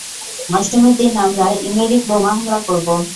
অষ্টমীর দিন আমরা ইমিরিক বোমা হামলা করবো।